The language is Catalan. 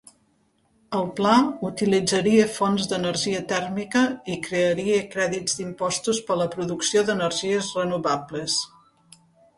El pla utilitzaria fonts d'energia tèrmica i crearia crèdits d'impostos per a la producció d'energies renovables.